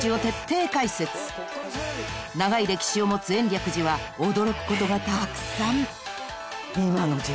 ［長い歴史を持つ延暦寺は驚くことがたくさん］